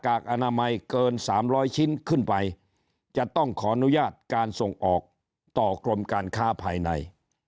กอนามัยเกิน๓๐๐ชิ้นขึ้นไปจะต้องขออนุญาตการส่งออกต่อกรมการค้าภายใน